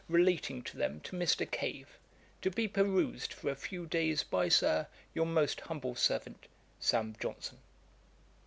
relating to them to Mr. Cave, to be perused for a few days by, Sir, 'Your most humble servant, 'SAM. JOHNSON.'